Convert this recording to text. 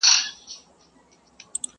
که به ډنډ ته د سېلۍ په زور رسېږم!!